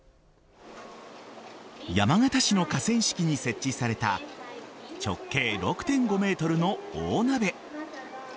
山形市の河川敷に設置された直径６．５ｍの大鍋。